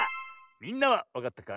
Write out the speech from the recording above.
みんなはわかったか？